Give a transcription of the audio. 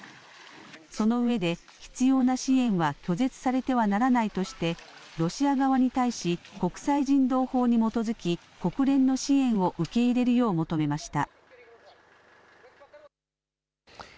そのうえで必要な支援は拒絶されてはならないとしてロシア側に対し国際人道法に基づき国連の支援を受け入れるよう求めました。